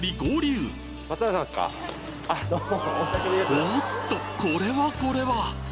おおっとこれはこれは！